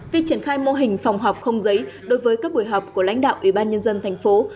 việc triển khai mô hình phòng học không giấy đối với các buổi họp của lãnh đạo ủy ban nhân dân tp hcm